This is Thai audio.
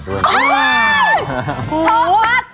ชอบมาก